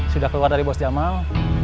sudah keluar dari bos jamal